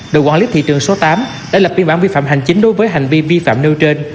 đội quản lý thị trường số tám đã lập biên bản vi phạm hành chính đối với hành vi vi phạm nêu trên